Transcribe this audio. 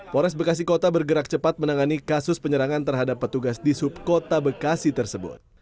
polres bekasi kota bergerak cepat menangani kasus penyerangan terhadap petugas di subkota bekasi tersebut